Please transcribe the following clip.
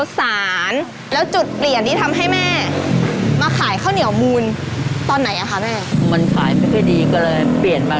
แสดงว่าแม่ทำข้าวเหนี่ยมูลเป็นอยู่แล้วไหม